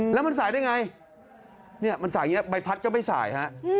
แล้วมันสายได้ไงเนี่ยมันสายอย่างนี้ใบพัดก็ไม่สายฮะ